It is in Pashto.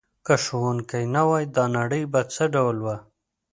که ښوونکی نه وای دا نړۍ به څه ډول وه؟